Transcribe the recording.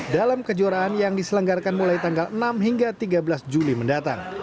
dalam kejuaraan yang diselenggarakan mulai tanggal enam hingga tiga belas juli mendatang